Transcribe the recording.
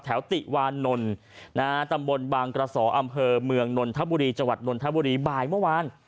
ติวานนท์ตำบลบางกระสออำเภอเมืองนนทบุรีจังหวัดนนทบุรีบ่ายเมื่อวาน